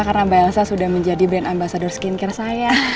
karena mbak elsa sudah menjadi brand ambasador skincare saya